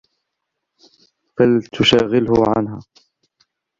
لِتَشَاغُلِهِ عَنْهَا